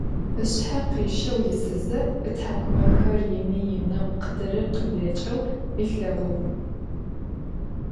Işshe khişeu yisıze, ıthak'umexer yinı - yineu khıdırır khıbleç'eu ılheğuğ.